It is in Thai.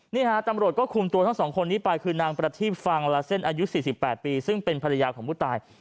นี่ฮะตำรวจก็คุมตัวทั้งสองคนนี้ไปคือนางประทีบฟังลาเส้นอายุ๔๘ปีซึ่งเป็นภรรยาของผู้ตาย